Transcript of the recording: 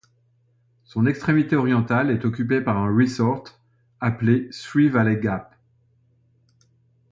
Son extrémité orientale est occupée par un resort appelé Three Valley Gap.